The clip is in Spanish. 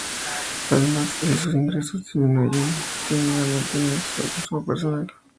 Además, si sus ingresos disminuyen, tienden a mantener su consumo personal.